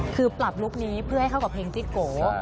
คือปรับลุคนี้เพื่อให้เข้ากับเพลงจิกโกโดยสะเพาะ